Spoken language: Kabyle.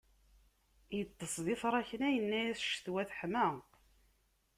Iṭṭes di tṛakna, yenna-as ccetwa teḥma.